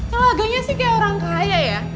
kelaganya sih kayak orang kaya ya